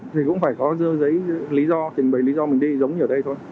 thì cũng phải có dưa giấy lý do trình bày lý do mình đi giống như ở đây thôi